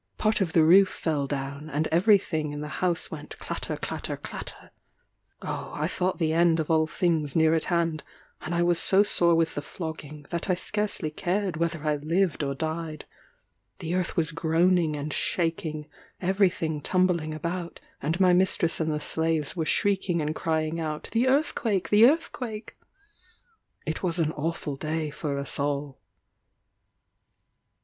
Part of the roof fell down, and every thing in the house went clatter, clatter, clatter. Oh I thought the end of all things near at hand; and I was so sore with the flogging, that I scarcely cared whether I lived or died. The earth was groaning and shaking; every thing tumbling about; and my mistress and the slaves were shrieking and crying out, "The earthquake! the earthquake!" It was an awful day for us all.